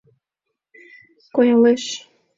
коялеш.